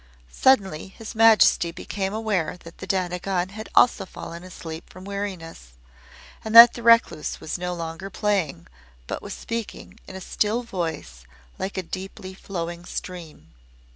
Suddenly His Majesty became aware that the Dainagon also had fallen asleep from weariness, and that the recluse was no longer playing, but was speaking in a still voice like a deeply flowing stream.